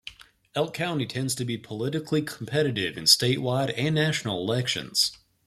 Elk County tends to be politically competitive in statewide and national elections.